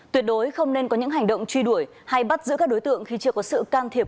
tuyệt đối không nên có những hành động truy đuổi hay bắt giữ các đối tượng khi chưa có sự can thiệp